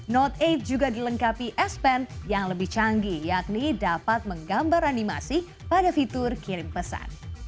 note delapan juga dilengkapi span yang lebih canggih yakni dapat menggambar animasi pada fitur kirim pesan